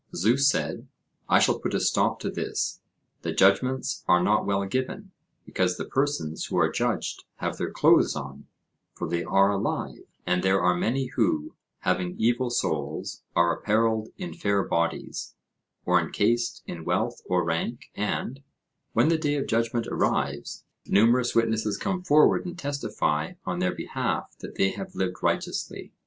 Zeus said: "I shall put a stop to this; the judgments are not well given, because the persons who are judged have their clothes on, for they are alive; and there are many who, having evil souls, are apparelled in fair bodies, or encased in wealth or rank, and, when the day of judgment arrives, numerous witnesses come forward and testify on their behalf that they have lived righteously.